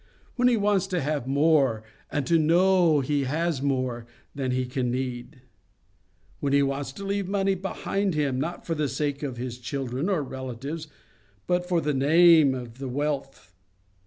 When he wants to have more, and to know he has more, than he can need. When he wants to leave money behind him, not for the sake of his children or relatives, but for the name of the wealth.